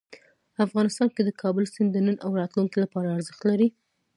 افغانستان کې د کابل سیند د نن او راتلونکي لپاره ارزښت لري.